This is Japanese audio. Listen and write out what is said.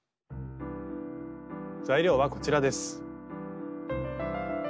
材料はこちらです。